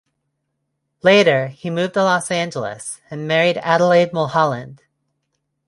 Later, he moved to Los Angeles and married Adelaide Mulholland.